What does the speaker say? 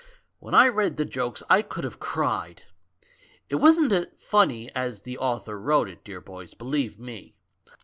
When I read the jokes I could have cried. It wasn't funny as the author wrote it, dear boys, believe me.